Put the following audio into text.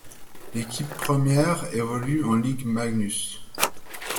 L'équipe première évolue en Ligue Magnus.